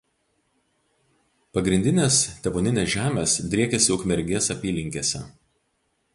Pagrindinės tėvoninės žemės driekėsi Ukmergės apylinkėse.